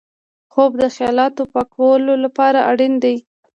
خوب د خیالاتو پاکولو لپاره اړین دی